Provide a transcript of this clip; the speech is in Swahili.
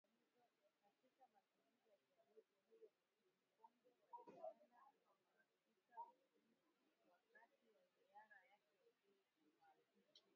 Katika mazungumzo na kiongozi huyo mkongwe wa Uganda na maafisa wengine wakati wa ziara yake mjini kampala